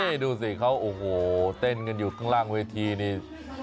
นี่ดูสิเขาโอ้โหเต้นกันอยู่ข้างล่างเวทีนี่